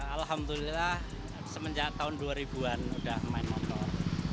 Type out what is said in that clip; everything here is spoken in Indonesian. alhamdulillah semenjak tahun dua ribu an udah main motor